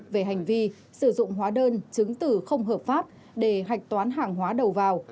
về hành vi sử dụng hóa đơn chứng tử không hợp pháp để hạch toán hàng hóa đầu vào